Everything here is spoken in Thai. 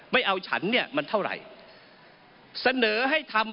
เสนอให้ธรรมประธานนะครับ